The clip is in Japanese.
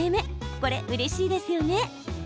これ、うれしいですよね。